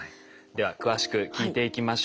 では詳しく聞いていきましょう。